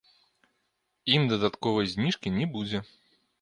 Ім дадатковай зніжкі не будзе.